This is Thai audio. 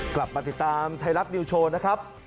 กลับมาติดตามไทยรัฐนิวโชว์นะครับ